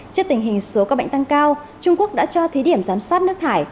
trước tình hình số ca bệnh tăng cao trung quốc đã cho thí điểm giám sát nước thải